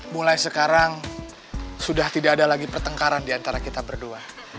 mulai sekarang sudah tidak ada lagi pertengkaran diantara kita berdua